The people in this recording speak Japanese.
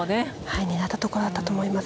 狙った所だったと思います。